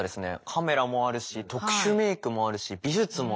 カメラもあるし特殊メークもあるし美術もあるし。